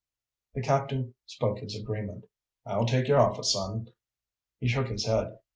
The captain spoke his agreement. "I'll take your offer, son." He shook his head.